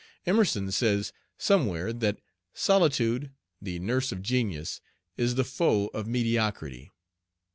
Emerson says somewhere that "Solitude, the nurse of Genius, is the foe of mediocrity."